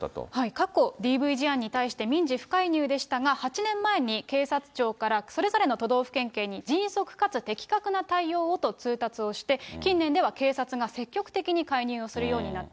過去ＤＶ事案に関して、民事不介入でしたが、８年前に警察庁から、それぞれの都道府県に迅速かつ適切な対応をと通達をして、近年では警察が積極的に介入をするようになった。